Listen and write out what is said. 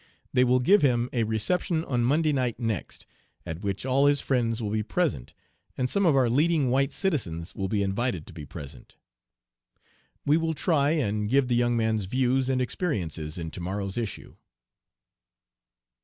They will give him a reception on Monday night next, at which all his friends will be present, and some of our leading white citizens will be invited to be present. "We will try and give the young man's views and experiences in tomorrow's issue."